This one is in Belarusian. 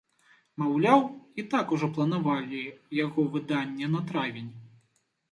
Маўляў, і так ужо планавалі яго выданне на травень.